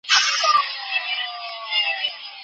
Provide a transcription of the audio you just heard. د شتمنۍ ویش باید عادلانه وي.